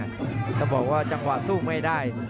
ต้องบอกว่าจังหวะสู้ไม่ได้